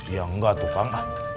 ya enggak tukang